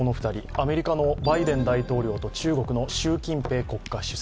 アメリカのバイデン大統領と中国の習近平国家主席。